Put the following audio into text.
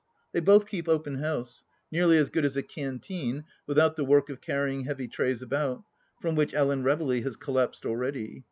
They both keep open house — ^nearly as good as a canteen, without the work of carrying heavy trays about, from which Ellen Reveley has collapsed already.